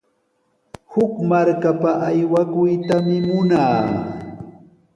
Huk markapa aywakuytami munaa.